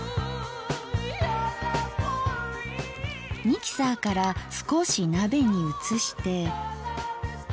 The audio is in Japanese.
ミキサーから少し鍋に移して。